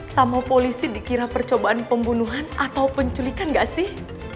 sama polisi dikira percobaan pembunuhan atau penculikan nggak sih